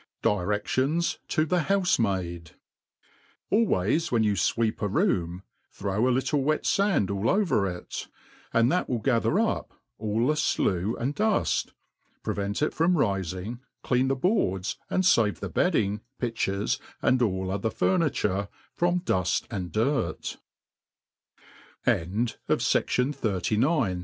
DIRECTIONS ta.thc HOUS E M AID., ALWAYS when you fweep a room, throw a little v^et fand all over it, and that will gather up all the flew and duft, pre vent it from rifin^jr, clcj^n the boards, and fave the bedding, pidiuies, and all other furniture, from dufl^and dirt; A D D I T I O